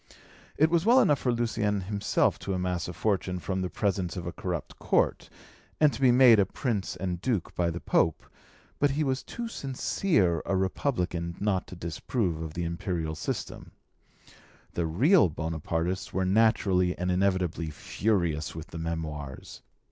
It was well for Lucien himself to amass a fortune from the presents of a corrupt court, and to be made a Prince and Duke by the Pope, but he was too sincere a republican not to disapprove of the imperial system. The real Bonapartists were naturally and inevitably furious with the Memoirs.